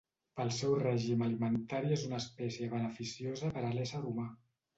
Pel seu règim alimentari és una espècie beneficiosa per a l'ésser humà.